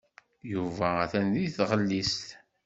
Yuba atan deg tɣellist.